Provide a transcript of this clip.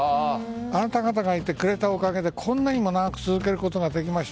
あなたがたがいてくれたおかげでこんなにも長く続けることができました。